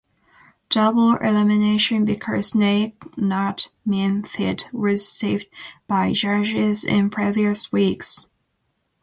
Double elimination because Nay Khant Min Thit was saved by judges in previous week.